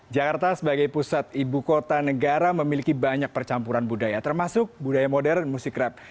jakarta sebagai pusat ibu kota negara memiliki banyak percampuran budaya termasuk budaya modern musik rap